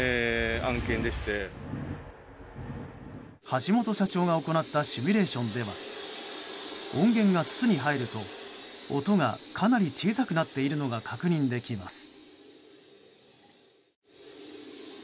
橋本社長が行ったシミュレーションでは音源が筒に入ると音がかなり小さくなっているのが確認できます。